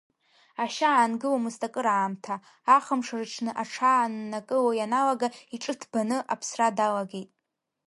Ашьа аангыломызт акыраамҭа, ахымш рыҽны аҽааннакыло ианалага, иҿы ҭбаны аԥсра далагеит.